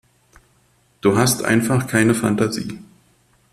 Du hast einfach keine Fantasie.